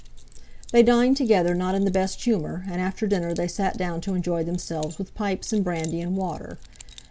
They dined together not in the best humour, and after dinner they sat down to enjoy themselves with pipes and brandy and water.